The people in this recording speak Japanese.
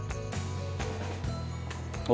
お！